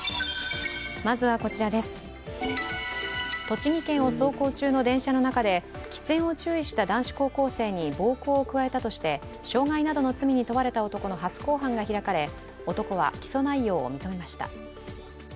栃木県を走行中の電車の中で喫煙を注意した男子高校生に暴行を加えたとして傷害などの罪に問われた男の初公判が開かれ、男は起訴内容を認めました。